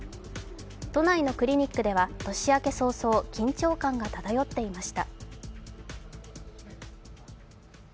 都内のクリニックでは年明け早々、緊張感が漂っていました。